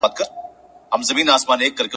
سره له هغه چي خپل شعرونه ,